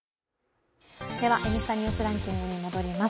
「Ｎスタ・ニュースランキング」に戻ります。